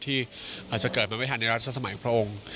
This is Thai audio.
ที่อาจจะเกิดเป็นวิทยาลัยในราชสมัยพระองค์